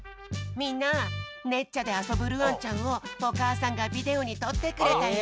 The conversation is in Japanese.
みんなねっちゃであそぶるあんちゃんをおかあさんがビデオにとってくれたよ。